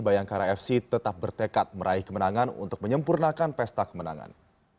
bayangkara fc tetap bertekad meraih kemenangan untuk menyempurnakan pesta kemenangan